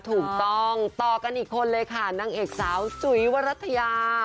ถูกต้องต่อกันอีกคนเลยค่ะนางเอกสาวจุ๋ยวรัฐยา